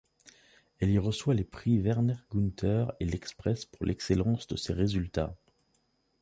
Elle y reçoit les prix Werner-Günther et L’Express pour l’excellence de ses résultats.